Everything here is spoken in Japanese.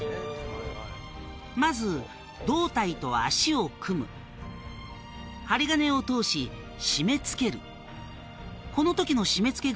まず胴体と脚を組む針金を通し締めつける